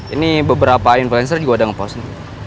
ini beberapa influencer juga ada ngepost